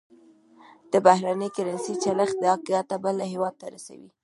د بهرنۍ کرنسۍ چلښت دا ګټه بل هېواد ته رسوي.